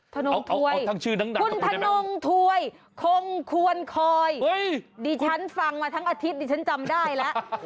ถนงถวยคุณถนงถวยคงควรคอยดิฉันฟังมาทั้งอาทิตย์ดิฉันจำได้แล้ว